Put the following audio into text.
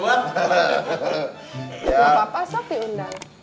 gak apa apa sop diundang